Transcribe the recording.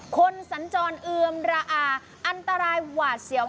สัญจรเอือมระอาอันตรายหวาดเสียว